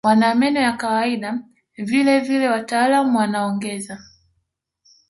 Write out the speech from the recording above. Wana meno ya kawaida vile vile wataalamu wanaongeza